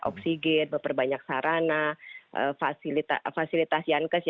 oksigen memperbanyak sarana fasilitas yankes